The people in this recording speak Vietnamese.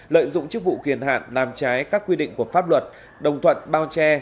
lợi dụng chức vụ quyền hạn làm trái các quy định của pháp luật đồng thuận bao che